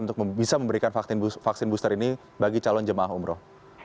untuk bisa memberikan vaksin booster ini bagi calon jemaah umroh